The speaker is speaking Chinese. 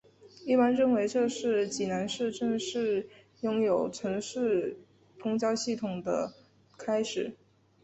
一般认为这是济南市正式拥有城市公交系统的开始。